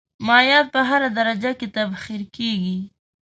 مایعات په هره درجه کې تبخیر کیږي.